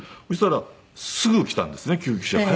そしたらすぐ来たんですね救急車。